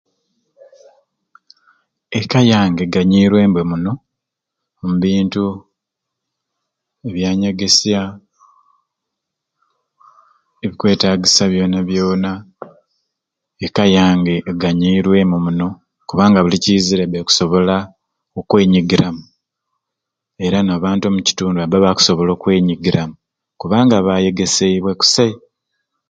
Eka yange eganyiirwe mbe muno omu bintu ebyanyegesya ebikwetaagisa byona byona eka yange eganyiirwemu muno kubanga buli ekiizire ebba ekusobola okwenyigiramu era n'abantu omu kitundu babba bakusobola okwenyiramu kubanga baayegeseibwe kusai